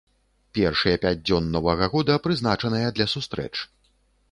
Першыя пяць дзён новага года прызначаныя для сустрэч.